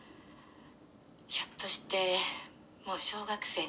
「ひょっとしてもう小学生になったかな？」